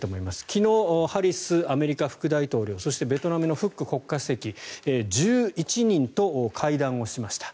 昨日、ハリスアメリカ副大統領そしてベトナムのフック国家主席１１人と会談をしました。